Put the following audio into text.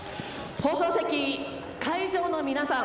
放送席、会場の皆さん